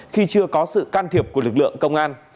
khi chưa có sự can thiệp của lực lượng công an